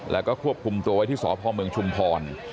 แล้วก็ควบคุมตัวไว้ที่สพเมืองชุมพร